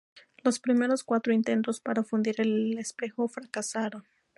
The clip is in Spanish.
Los primeros cuatro intentos para fundir el espejo fracasaron.